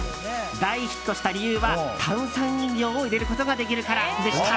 大ヒットした理由は炭酸飲料を入れることができるからでした。